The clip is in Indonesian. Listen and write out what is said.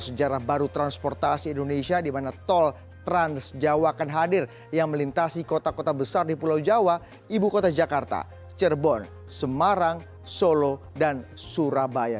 sejarah baru transportasi indonesia di mana tol transjawa akan hadir yang melintasi kota kota besar di pulau jawa ibu kota jakarta cirebon semarang solo dan surabaya